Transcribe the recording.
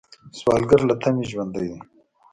سوالګر له تمې ژوندی دی